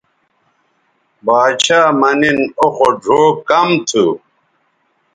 باڇھا مہ نِن او خو ڙھؤ کم تھو